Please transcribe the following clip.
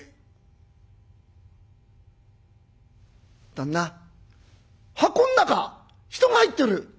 旦那箱ん中人が入ってる！」。